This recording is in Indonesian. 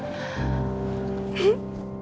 jadi baju ini dari andi